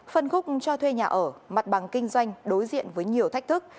phân khúc cho thuê nhà ở mặt bằng kinh doanh đối diện với nhiều thách thức